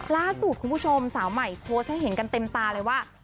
ล่าสุดคุณผู้ชมสาวใหม่โพสต์ให้เห็นกันเต็มตาเลยว่า